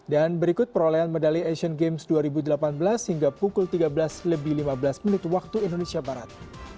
dan berikut perolehan medali asian games dua ribu delapan belas hingga pukul tiga belas lebih lima belas menit waktu indonesia barat